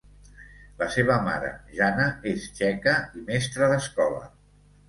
La seva mare, Jana, és txeca i mestra d'escola.